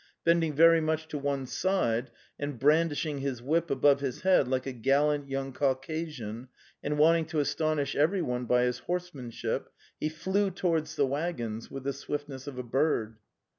Bending very much to one side and brandishing his whip above his head like a gallant young Caucasian, and wanting to astonish everyone by his horsemanship, he flew towards the waggons with the swiftness of a bird.